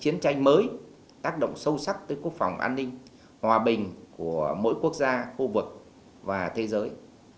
chiến tranh mới tác động sâu sắc tới quốc phòng an ninh hòa bình của mỗi quốc gia khu vực và thế giới